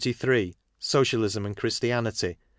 Socialism and Christianity.